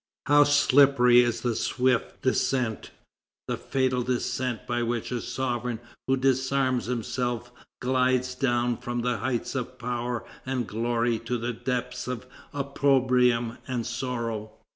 How slippery is the swift descent, the fatal descent by which a sovereign who disarms himself glides down from the heights of power and glory to the depths of opprobrium and sorrow!